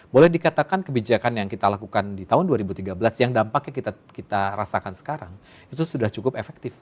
boleh dikatakan kebijakan yang kita lakukan di tahun dua ribu tiga belas yang dampaknya kita rasakan sekarang itu sudah cukup efektif